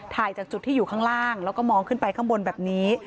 ถ่ายจากจุดที่อยู่ข้างล่างแล้วก็มองขึ้นไปข้างบนแบบนี้